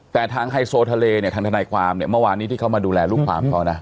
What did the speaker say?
แต่ทางไฮโซทะเลเนี่ยทางทนายความเนี่ยเมื่อวานนี้ที่เขามาดูแลลูกความเขานะ